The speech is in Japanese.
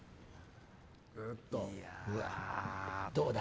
どうだ？